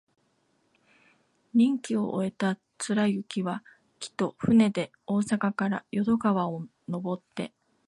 任期を終えた貫之は、帰途、船で大阪から淀川をのぼって、